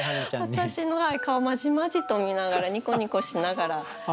私の顔まじまじと見ながらニコニコしながら。